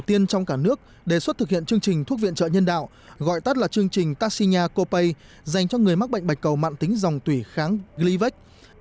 tuy nhiên trong cả nước đề xuất thực hiện chương trình thuốc viện trợ nhân đạo gọi tắt là chương trình tarsina copay dành cho người mắc bệnh bạch cầu mạng tính dòng tủy kháng glyvex